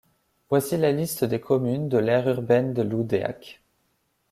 Voici la liste des communes de l'aire urbaine de Loudéac.